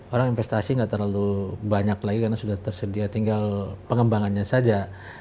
orang investasi nggak terlalu banyak lagi karena sudah tersedia tinggal pengembangannya saja